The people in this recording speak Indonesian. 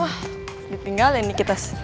wah ditinggalin nikitas